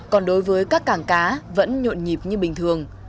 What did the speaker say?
còn đối với các cảng cá vẫn nhộn nhịp như bình thường